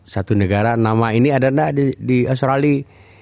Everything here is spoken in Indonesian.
satu negara nama ini ada tidak di australia